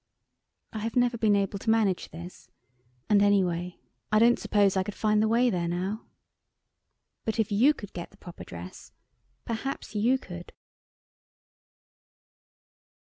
I have never been able to manage this, and, anyway, I don't suppose I could find the way there now. But, if you could get the proper dress, perhaps you could?